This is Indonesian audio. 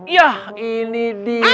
yah ini dia